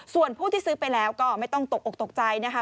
ส่วนผู้ที่ซื้อไปแล้วก็ไม่ต้องตกอกตกใจนะคะ